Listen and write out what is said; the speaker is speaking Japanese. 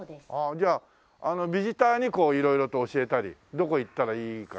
じゃあビジターにこう色々と教えたりどこへ行ったらいいかとか。